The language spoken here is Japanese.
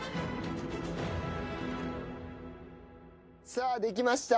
さあできました。